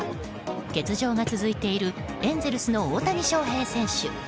欠場が続いているエンゼルスの大谷翔平選手。